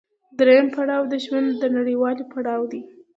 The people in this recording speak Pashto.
درېیم پړاو د ژوند د نويوالي پړاو دی